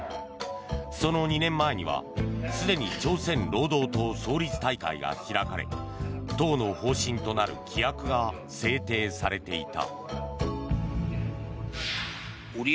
その２年前には、すでに朝鮮労働党創立大会が開かれ党の方針となる規約が制定されていた。